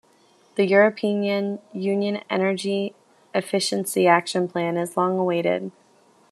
The 'European Union Energy Efficiency Action Plan' is long-awaited.